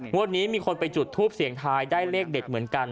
วันนี้มีคนไปจุดทูปเสียงทายได้เลขเด็ดเหมือนกัน